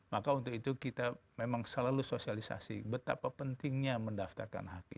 maka untuk itu kita memang selalu sosialisasi betapa pentingnya mendaftarkan hakim